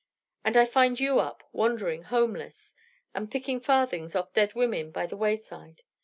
And I find you up, wandering homeless, and picking farthings off dead women by the wayside!